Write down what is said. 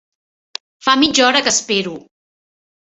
Fa mitja hora que espero.